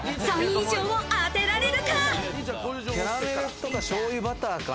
３位以上を当てられるか？